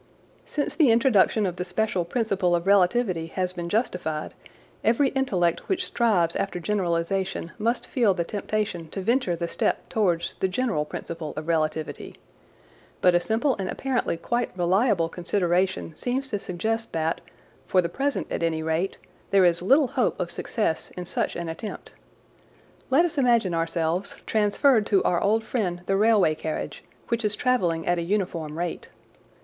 Since the introduction of the special principle of relativity has been justified, every intellect which strives after generalisation must feel the temptation to venture the step towards the general principle of relativity. But a simple and apparently quite reliable consideration seems to suggest that, for the present at any rate, there is little hope of success in such an attempt; Let us imagine ourselves transferred to our old friend the railway carriage, which is travelling at a uniform rate.